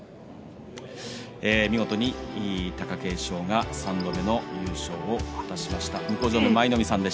見事に貴景勝が３度目の優勝を果たしました。